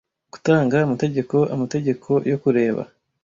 Gutanga amategeko amategeko yo kureba